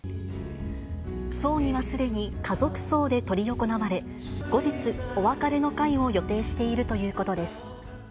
葬儀はすでに家族葬で執り行われ、後日、お別れの会を予定しているということです。